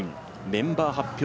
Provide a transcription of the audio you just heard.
メンバー発表